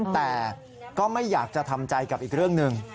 แต่ก็ไม่อยากจะทำใจกับอีกเรื่องหนึ่ง